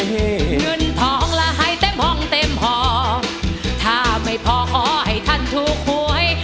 เงินทองละให้เต็มห้องเต็มพอถ้าไม่พอขอให้ท่านถูกหวย